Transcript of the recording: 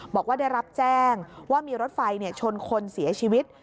บอกว่าได้รับแจ้งว่ามีรถไฟชนคนเสียชีวิต